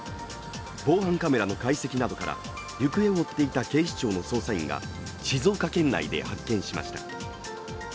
防犯カメラの解析などから行方を追っていた警視庁の捜査員が静岡県内で発見しました。